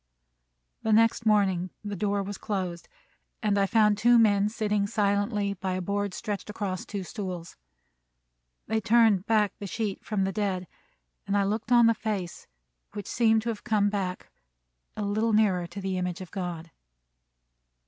The next morning the door was closed, and I found two men sitting silently by a board stretched across two stools. They turned back the sheet from the dead, and I looked on the face, which seemed to have come back nearer to the image of God.